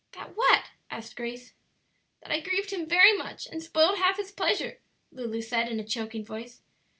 "That what?" asked Grace. "That I grieved him very much and spoiled half his pleasure," Lulu said in a choking voice.